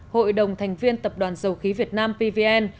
hội đồng thành viên tập đoàn dầu khí việt nam pvn